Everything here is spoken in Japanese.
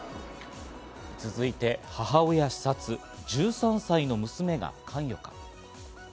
続いて母親刺殺、１３歳の娘が関与か。